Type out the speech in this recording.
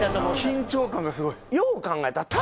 緊張感がすごい。